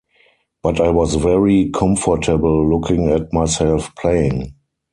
But I was very comfortable looking at myself playing.